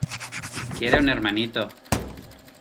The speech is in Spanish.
quiere un hermanito.